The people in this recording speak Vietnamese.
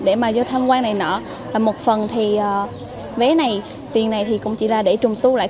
cho tham quan này nọ một phần thì vé này tiền này thì cũng chỉ là để trùng tu lại